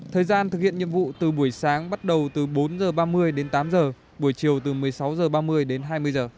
thời gian thực hiện nhiệm vụ từ buổi sáng bắt đầu từ bốn h ba mươi đến tám giờ buổi chiều từ một mươi sáu h ba mươi đến hai mươi h